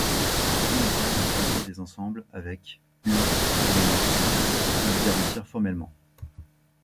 D'où l'intérêt d'une théorie des ensembles avec ur-elements qui peut le garantir formellement.